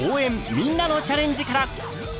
みんなのチャレンジ」から。